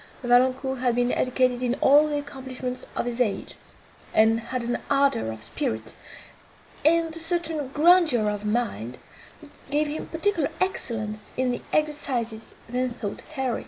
Valancourt had been educated in all the accomplishments of his age, and had an ardour of spirit, and a certain grandeur of mind, that gave him particular excellence in the exercises then thought heroic.